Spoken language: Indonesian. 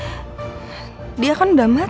bersambungkan dan kcheer segala masyarakat